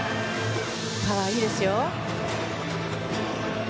パワー、いいですよ。